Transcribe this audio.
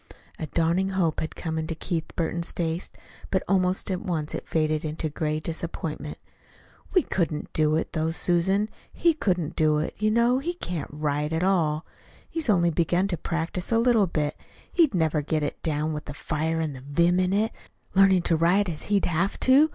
A dawning hope had come into Keith Burton's face, but almost at once it faded into gray disappointment. "We couldn't do it, though, Susan. He couldn't do it. You know he can't write at all. He's only begun to practice a little bit. He'd never get it down, with the fire and the vim in it, learning to write as he'd have to.